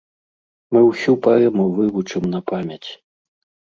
Мы ўсю паэму вывучым на памяць.